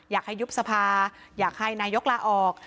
อยากให้ยุบสภาอยากให้นายกลาออก